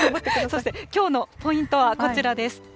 そしてきょうのポイントはこちらです。